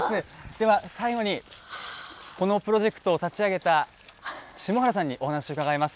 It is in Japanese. では最後に、このプロジェクトを立ち上げた、下原さんにお話を伺います。